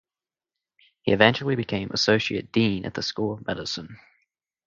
He eventually became associate dean at the School of Medicine.